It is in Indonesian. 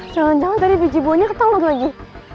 jangan jangan dari biji buahnya ketelur lagi